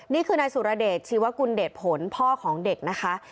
นี่คือนายสุรเดชชีวกุลเดชผลพ่อของเด็กนะคะ